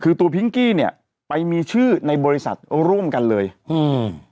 คือตัวพิงกี้เนี้ยไปมีชื่อในบริษัทร่วมกันเลยอืม